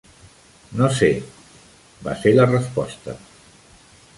"No sé", va ser la resposta.